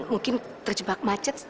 mungkin terjebak macet